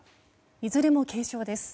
いずれも軽傷です。